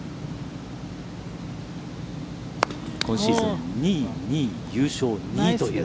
今シーズン、２位、２位、優勝、２位という。